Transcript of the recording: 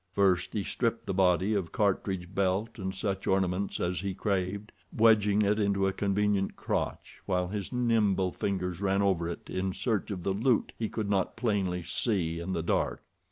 First he stripped the body of cartridge belt and such ornaments as he craved, wedging it into a convenient crotch while his nimble fingers ran over it in search of the loot he could not plainly see in the dark.